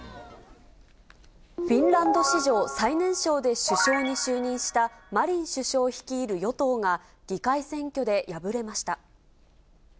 フィンランド史上最年少で首相に就任したマリン首相率いる与党が、議会選挙で敗れました。